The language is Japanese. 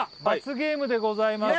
ゲームでございます